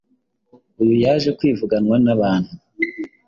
Uyu yaje kwivuganwa n’abantu